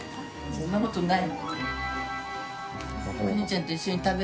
そんなことない。